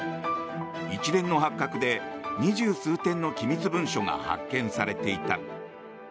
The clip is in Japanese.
一連の発覚で、二十数点の機密文書が発見されていた。